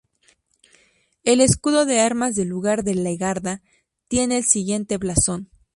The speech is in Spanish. El escudo de armas del lugar de Legarda tiene el siguiente blasón.